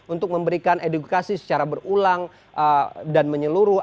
untuk memberikan edukasi secara berulang dan menyeluruh